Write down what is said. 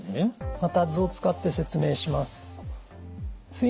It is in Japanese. また図を使って説明します。